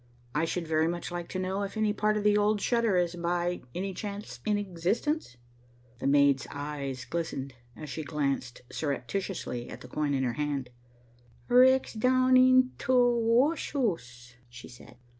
"I should very much like to know if any part of the old shutter is by any chance in existence." The maid's eyes glistened, as she glanced surreptitiously at the coin in her hand. "Wreck's down in t' wash'oose," she said.